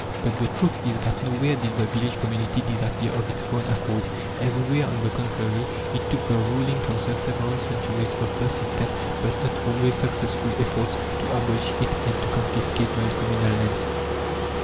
But the truth is that nowhere did the village community disappear of its own accord; everywhere, on the contrary, it took the ruling classes several centuries of persistent but not always successful efforts to abolish it and to confiscate the communal lands.